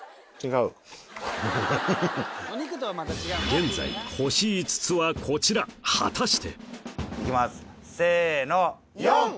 現在星５つはこちら果たしていきますせの！